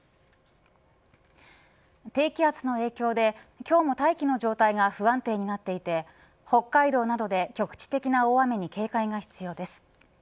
低気圧の影響で今日も大気の状態が不安定になっていて北海道などで局地的な大雨に警戒が必要です。